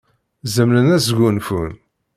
Zemren ad sgunfun.